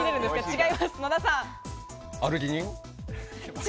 違います。